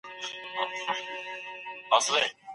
مرکزي ګودامونه چيري دي؟